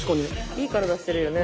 いい体してるよね